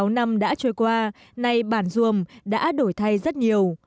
bảy mươi sáu năm đã trôi qua nay bản duồm đã đổi thay rất nhiều